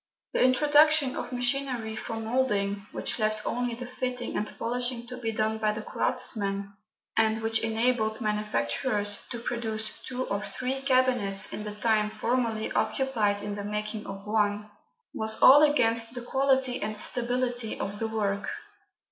The introduction of machinery for moulding, which left only the fitting and polishing to be done by the craftsman, and which enabled manufacturers to produce two or three cabinets in the time formerly occupied in the making of one, was all against the quality and stability of the work.